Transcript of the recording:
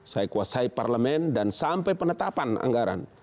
saya kuasai parlemen dan sampai penetapan anggaran